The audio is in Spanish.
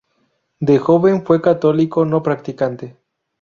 De joven fue católico no practicante.